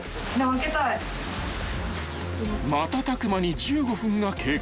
［瞬く間に１５分が経過］